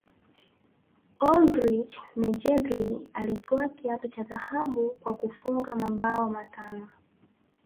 oldrich nejedly alitwaa kiatu cha dhahabu kwa kufunga mabao matano